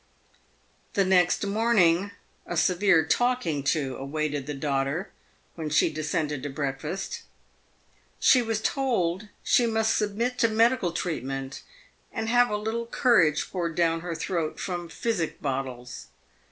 The next morning a severe "talking to" awaited the daughter when she descended to breakfast. She was told she must submit to medical treatment, and have a little courage poured down her throat from physic bottles.